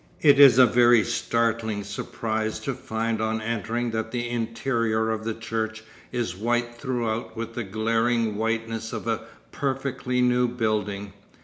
It is a very startling surprise to find on entering that the interior of the church is white throughout with the glaring whiteness of a perfectly new building.